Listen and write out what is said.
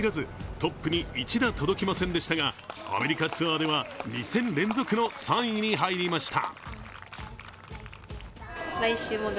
トップに１打届きませんでしたがアメリカツアーでは２戦連続の３位に入りました。